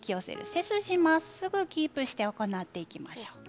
背筋はまっすぐキープして行っていきましょう。